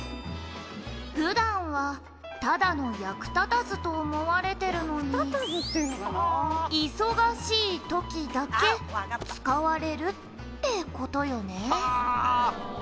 「普段はただの役立たずと思われてるのに忙しい時だけ使われるって事よね」